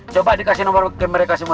coba dikasih nomor ke mereka semua